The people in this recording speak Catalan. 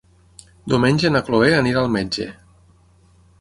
Diumenge na Chloé anirà al metge.